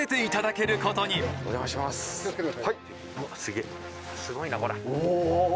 げっすごいなこら。